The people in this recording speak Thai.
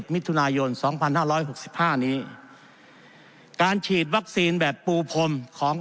มิถุนายน๒๕๖๕นี้การฉีดวัคซีนแบบปูพรมของ